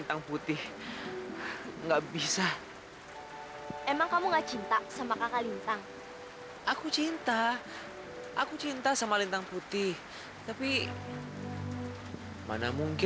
sayang perkawinan kita memang sudah menunggu